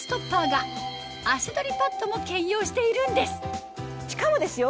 汗取りパッドも兼用しているんですしかもですよ